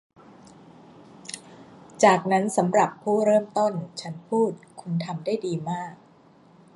'จากนั้นสำหรับผู้เริ่มต้น' ฉันพูด 'คุณทำได้ดีมาก'